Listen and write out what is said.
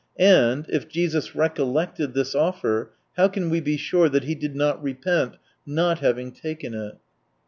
And, if Jesus recollected this offer, how can we be sure that He did not repent not having taken it